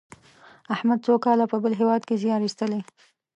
احمد څو کاله په بل هېواد کې زیار ایستلی.